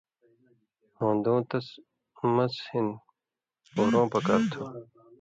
ہُون٘دُوں تس مڅھہۡ ہِن پورؤں پکار تُھو